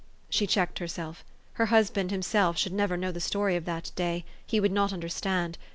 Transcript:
She checked herself. Her husband himself should never know the story of that day he would not understand.